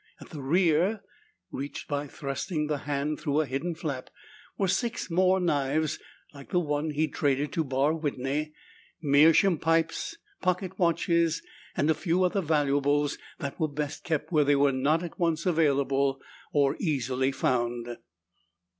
At the rear, reached by thrusting the hand through a hidden flap, were six more knives like the one he'd traded to Barr Whitney, meerschaum pipes, pocket watches, and a few other valuables that were best kept where they were not at once available or easily found.